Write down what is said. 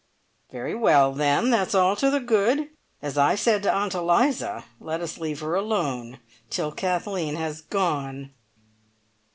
"Very well then, that's all to the good. As I said to Aunt Eliza, let us leave her alone till Kathleen has gone.